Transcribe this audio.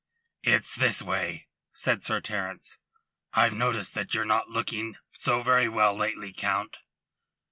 "It's this way," said Sir Terence. "I've noticed that ye're not looking so very well lately, Count."